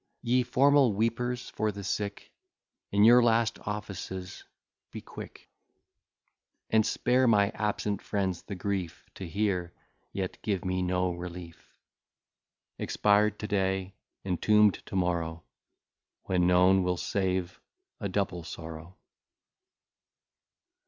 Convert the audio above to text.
Ye formal weepers for the sick, In your last offices be quick; And spare my absent friends the grief To hear, yet give me no relief; Expired to day, entomb'd to morrow, When known, will save a double sorrow.